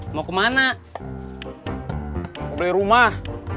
mau kemana beli rumah